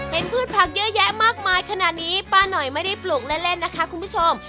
พืชผักเยอะแยะมากมายขนาดนี้ป้าหน่อยไม่ได้ปลูกเล่นนะคะคุณผู้ชม